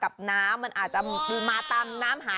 พี่พินโย